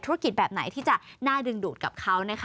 ธุรกิจแบบไหนที่จะน่าดึงดูดกับเขา